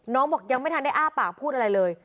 บอกยังไม่ทันได้อ้าปากพูดอะไรเลย